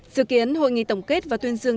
dự kiến hội nghị tổng kết và tuyên dương